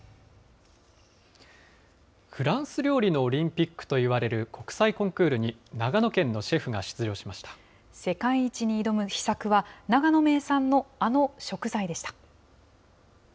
フランス料理のオリンピックといわれる国際コンクールに、世界一に挑む秘策は、長野名産のあの食材でした。